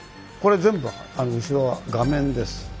これ全部後ろは画面です。